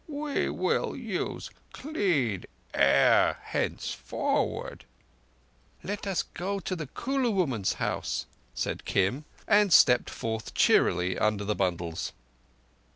We will use clean air henceforward." "Let us go to the Kulu woman's house" said Kim, and stepped forth cheerily under the bundles.